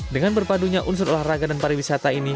dengan berpadunya unsur olahraga dan pariwisata ini